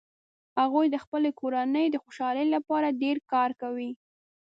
هغوي د خپلې کورنۍ د خوشحالۍ لپاره ډیر کار کوي